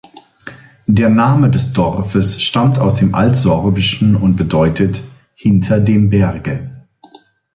Der Name des Dorfes stammt aus dem Altsorbischen und bedeutet "hinter dem Berge".